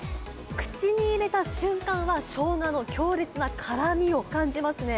口に入れた瞬間は、ショウガの強烈な辛みを感じますね。